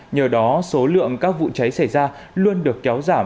nhờ đó số lượng các vụ cháy xảy ra luôn được kéo giảm